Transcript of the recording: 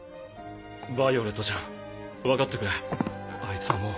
ヴァイオレットちゃん分かってくれあいつはもう。